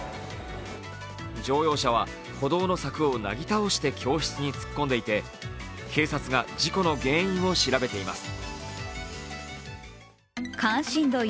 乗用車は歩道の柵をなぎ倒して教室に突っ込んでいて、警察が事故の原因を調べています。